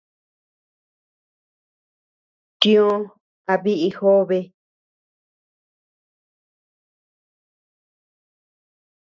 Tio a biʼi jobe.